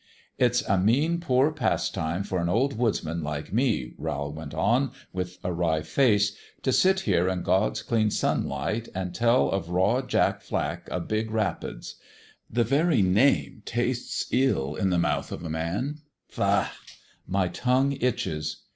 " It's a mean poor pastime for an old woods man like me," Rowl went on, with a wry face, "f sit here in God's clean sunlight an' tell of Raw Jack Flack o' Big Rapids. The very name tastes ill in the mouth of a man : faugh ! my tongue itches.